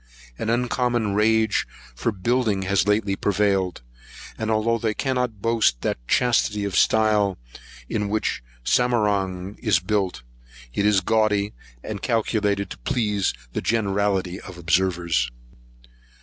An uncommon rage for building has lately prevailed; and although they cannot boast of that chastity of style in which Samarang is built it is gaudy, and calculated to please the generality of observers.